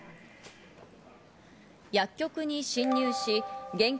薬局に侵入し現金